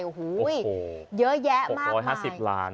โอ้โห๖๕๐ล้านบาทโอ้โห๖๕๐ล้าน